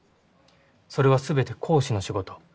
それはすべて講師の仕事？